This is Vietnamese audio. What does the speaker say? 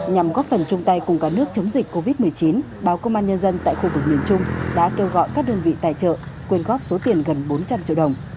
nhằm góp phần chung tay cùng cả nước chống dịch covid một mươi chín báo công an nhân dân tại khu vực miền trung đã kêu gọi các đơn vị tài trợ quyên góp số tiền gần bốn trăm linh triệu đồng